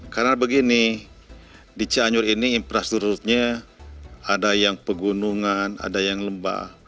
karena begini di cianyur ini infrastrukturnya ada yang pegunungan ada yang lembah